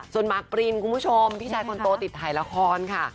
ส่วนมากปรินคุณผู้ชมพี่ชายคนโตติดถ่ายละครค่ะ